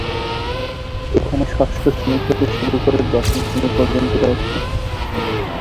এখানে ষষ্ঠ শ্রেণি থেকে শুরু করে দশম শ্রেণি পর্যন্ত রয়েছে।